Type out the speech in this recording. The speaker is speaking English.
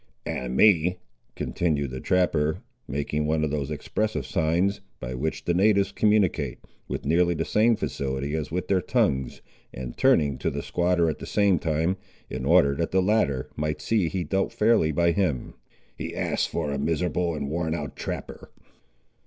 "And me," continued the trapper, making one of those expressive signs, by which the natives communicate, with nearly the same facility as with their tongues, and turning to the squatter at the same time, in order that the latter might see he dealt fairly by him; "he asks for a miserable and worn out trapper."